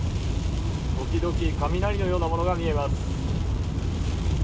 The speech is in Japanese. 時々、雷のようなものが見えます。